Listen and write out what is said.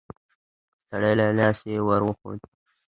تړلی لاس يې ور وښود.